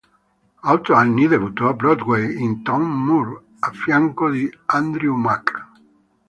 A otto anni, debuttò a Broadway in "Tom Moore" a fianco di Andrew Mack.